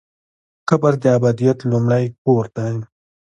قبر د ابدیت لومړی کور دی